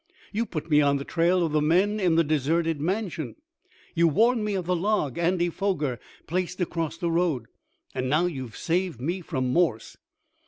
You put me on the trail of the men in the deserted mansion, you warned me of the log Andy Foger placed across the road, and now you have saved me from Morse."